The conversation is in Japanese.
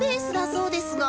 そうですね。